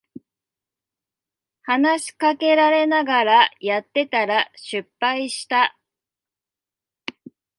話しかけられながらやってたら失敗した